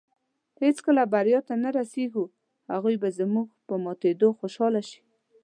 هېڅکله بریا ته نۀ رسېږو. هغوی به زموږ په ماتېدو خوشحاله شي